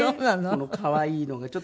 この可愛いのがちょっと。